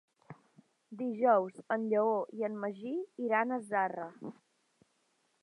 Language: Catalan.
Dijous en Lleó i en Magí iran a Zarra.